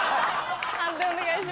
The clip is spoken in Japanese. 判定お願いします。